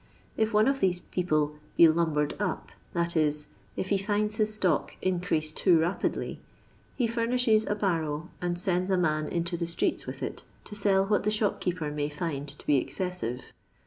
If one of these people be lumbered up," that is, if he find his stock increase too rapidly, he furnishes a barrow, and sends a man into the streets with it, to sell what the shopkeeper may find to be excessive.